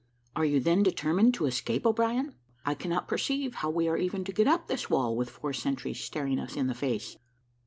"Are you then determined to escape, O'Brien? I cannot perceive how we are even to get up this wall, with four sentries staring us in the face."